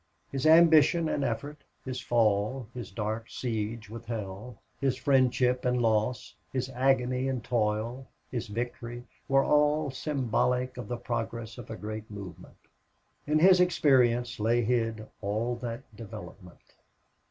His ambition and effort, his fall, his dark siege with hell, his friendship and loss, his agony and toil, his victory, were all symbolical of the progress of a great movement. In his experience lay hid all that development.